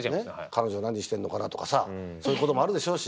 彼女何してんのかなとかさそういうこともあるでしょうし。